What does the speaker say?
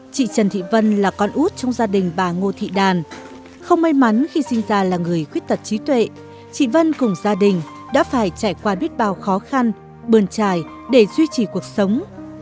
chị trần thị vân là con út trong gia đình bà ngô thị đàn không may mắn khi sinh ra là người khuyết tật trí tuệ chị vân cùng gia đình đã phải trải qua biết bao khó khăn bươn trải để duy trì cuộc sống